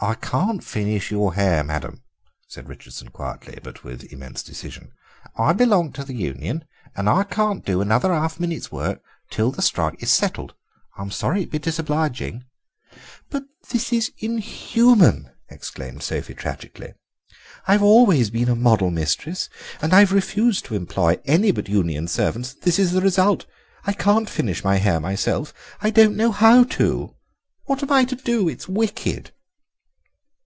"I can't finish your hair, madame," said Richardson quietly, but with immense decision. "I belong to the union and I can't do another half minute's work till the strike is settled. I'm sorry to be disobliging." "But this is inhuman!" exclaimed Sophie tragically; "I've always been a model mistress and I've refused to employ any but union servants, and this is the result. I can't finish my hair myself; I don't know how to. What am I to do? It's wicked!"